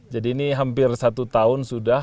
jadi ini hampir satu tahun sudah